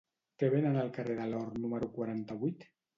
Què venen al carrer de l'Or número quaranta-vuit?